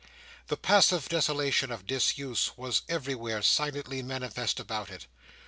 The passive desolation of disuse was everywhere silently manifest about it.